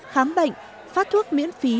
khám bệnh phát thuốc miễn phí